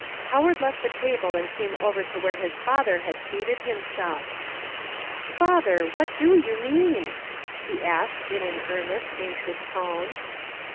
Howard left the table and came over to where his father had seated himself. "Father, what do you mean?" he asked, in an earnest, anxious tone.